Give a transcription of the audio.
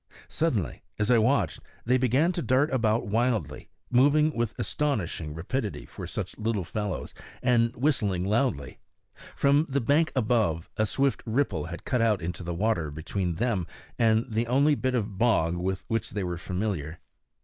Suddenly, as I watched, they began to dart about wildly, moving with astonishing rapidity for such little fellows, and whistling loudly. From the bank above, a swift ripple had cut out into the water between them and the only bit of bog with which they were familiar.